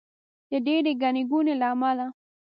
د ډېرې ګڼې ګوڼې له امله.